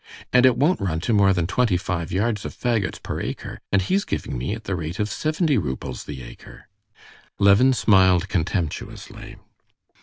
"And it won't run to more than twenty five yards of fagots per acre, and he's giving me at the rate of seventy roubles the acre." Levin smiled contemptuously.